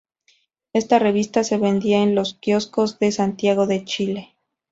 Esta revista se vendía en los kioscos de Santiago de Chile.